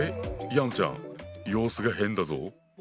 ヤンちゃん様子が変だぞ？